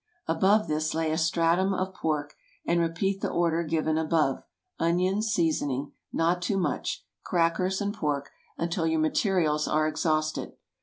Above this lay a stratum of pork, and repeat the order given above—onions, seasoning, (not too much,) crackers, and pork, until your materials are exhausted.